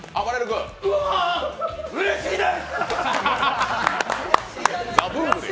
うわー、うれしいですっ！